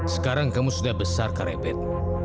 sekarang kamu sudah besar karet